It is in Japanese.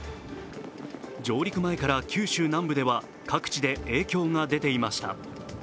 上陸前から九州南部では各地で影響が出ていました。